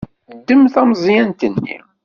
Ddem tameẓyant-nni.